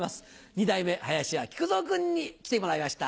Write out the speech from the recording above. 二代目林家木久蔵君に来てもらいました。